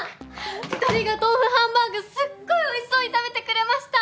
二人が豆腐ハンバーグすっごいおいしそうに食べてくれました！